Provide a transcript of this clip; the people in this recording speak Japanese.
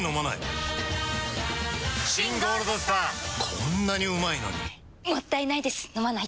こんなにうまいのにもったいないです、飲まないと。